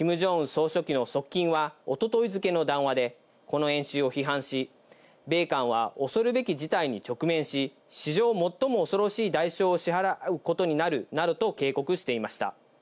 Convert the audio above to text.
総書記の側近は一昨日付けの談話でこの演習を批判し、米韓は恐るべき事態に直面し、史上最も恐ろしい代償を支払うことになるなどと警告していました。